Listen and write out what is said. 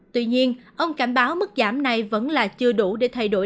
tuy nhiên ông cảnh báo mức giảm này vẫn là chưa đủ để thay đổi